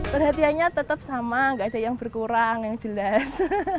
perhatiannya tetap sama nggak ada yang berkurang yang jelas